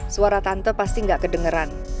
suara tante pasti gak kedengeran